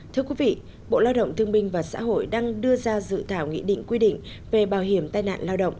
thưa quý vị bộ lao động thương minh và xã hội đang đưa ra dự thảo nghị định quy định về bảo hiểm tai nạn lao động